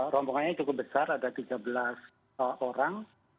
rombongannya cukup besar ada tiga belas orang